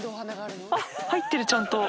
入ってるちゃんと！